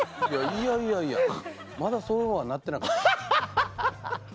いやいやいやまだそうはなってなかった。